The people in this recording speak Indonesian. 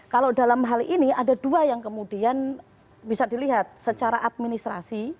kalau dalam hal ini ada dua yang kemudian bisa dilihat secara administrasi